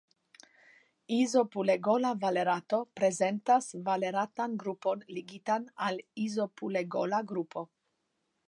Izopulegola valerato prezentas valeratan grupon ligitan al izopulegola grupo.